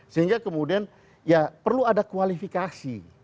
sehingga kemudian ya perlu ada kualifikasi